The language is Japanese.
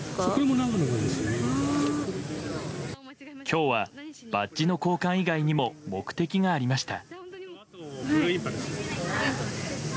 今日はバッジの交換以外にも目的がありました。